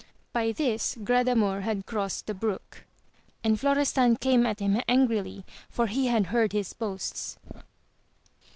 By this Gradamor had crossed the brook, and Florestan came at him angrily, for he had heard his boasts.